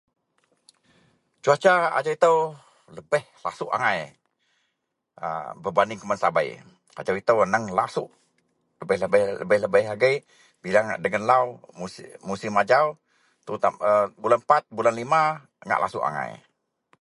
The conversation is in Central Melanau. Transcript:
Cuaca ajau ito lebeh lasuok angai a bebanding kuman sabei ajau ito neang lasuok lebeh lebeh agei iyen ngak dagen lau musim ajau bulan pat bulan lima lasuok angai.